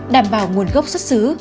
đảm bảo nguồn gốc xuất xứ